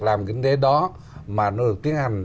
làm kinh tế đó mà nó được tiến hành